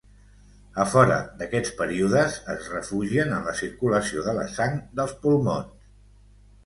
A fora d'aquests períodes es refugien en la circulació de la sang dels pulmons.